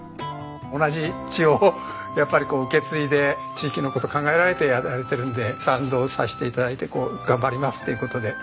同じ血をやっぱりこう受け継いで地域の事考えられてやられてるんで賛同させて頂いて頑張りますという事で。